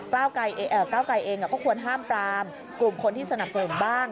ก้าวไกรเองก็ควรห้ามปรามกลุ่มคนที่สนับสนุนบ้าง